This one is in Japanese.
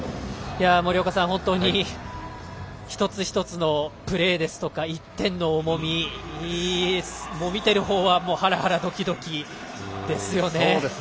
森岡さん、本当に一つ一つのプレー、１点の重み見ている方はハラハラドキドキですよね。